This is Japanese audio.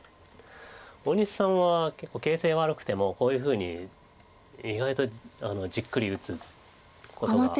大西さんは結構形勢悪くてもこういうふうに意外とじっくり打つことがあります。